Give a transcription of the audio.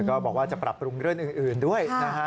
ก็บอกว่าจะปรับปรุงเรื่องอื่นด้วยนะฮะ